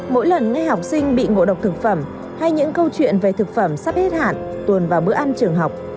mỗi lần nghe học sinh bị ngộ độc thực phẩm hay những câu chuyện về thực phẩm sắp hết hạn tuồn vào bữa ăn trường học